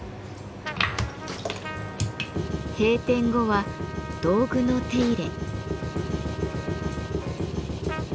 閉店後は道具の手入れ。